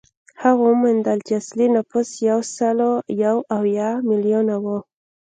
هغوی وموندل چې اصلي نفوس یو سل یو اویا میلیونه وو.